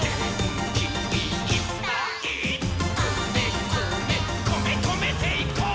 「げんきいっぱいこめこめ」「こめこめていこう！」